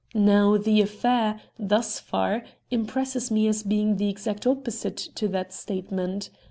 Now the affair, thus far, impresses me as being the exact opposite to that statement.